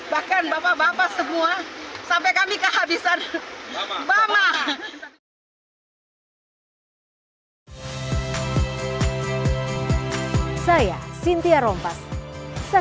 bahkan bapak bapak semua